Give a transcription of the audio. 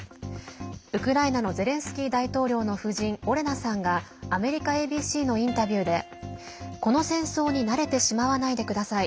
ウクライナのゼレンスキー大統領の夫人オレナさんがアメリカＡＢＣのインタビューでこの戦争に慣れてしまわないでください。